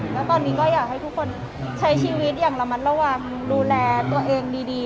แล้วตอนนี้ก็อยากให้ทุกคนใช้ชีวิตอย่างระมัดระวังดูแลตัวเองดี